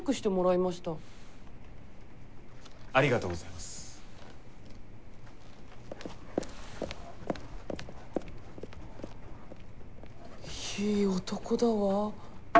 いい男だわ。